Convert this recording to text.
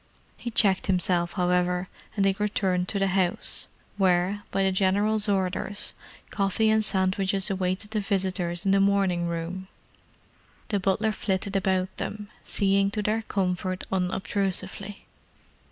He checked himself, however, and they returned to the house, where, by the General's orders, coffee and sandwiches awaited the visitors in the morning room. The butler flitted about them, seeing to their comfort unobtrusively.